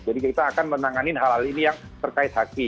jadi kita akan menanganin hal hal ini yang terkait haki